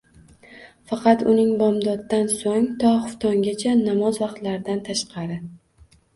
Faqat uning bomdoddan so'ng to xuftongacha namoz vaqtlaridan tashqari